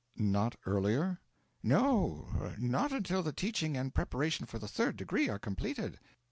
'Not earlier?' 'No, not until the teaching and preparation for the Third Degree are completed.'